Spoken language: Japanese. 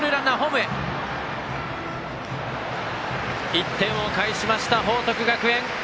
１点を返しました、報徳学園。